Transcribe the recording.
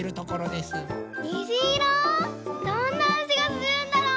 どんなあじがするんだろう？